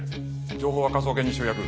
情報は科捜研に集約。